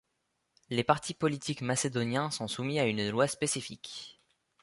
Les partis politiques macédoniens sont soumis à une loi spécifique.